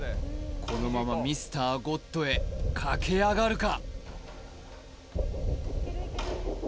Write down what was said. このままＭｒ．ゴッドへ駆け上がるか？